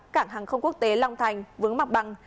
cảng hàng không quốc tế long thành vướng mặt bằng